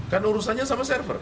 kan urusannya sama server